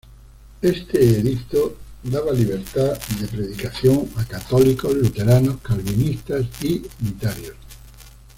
Este edicto daba libertad de predicación a católicos, luteranos, calvinistas y unitarios.